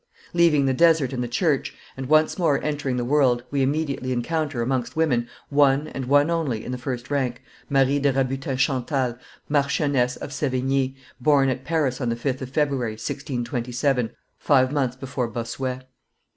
Leaving the desert and the church, and once more entering the world, we immediately encounter, amongst women, one, and one only, in the first rank Marie de Rabutin Chantal, marchioness of Sevigne, born at Paris on the 5th of February, 1627, five months before Bossuet.